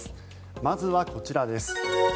まずはこちらです。